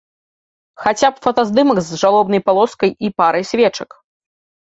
Хаця б фотаздымак з жалобнай палоскай і парай свечак.